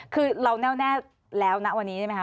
คือเราแน่วแน่แล้วนะวันนี้ใช่ไหมคะ